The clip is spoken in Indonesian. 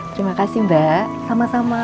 terima kasih mbak sama sama